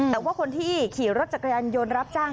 แต่ว่าคนที่ขี่รถจักรยานยนต์รับจ้าง